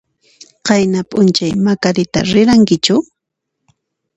Qayna p'unchay Macarita rirankichu?